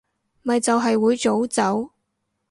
咪就係會早走